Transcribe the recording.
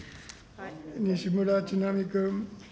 西村智奈美君。